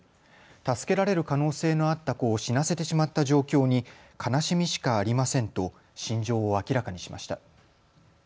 助けられる可能性のあった子を死なせてしまった状況に悲しみしかありませんと心情を明らかにしました。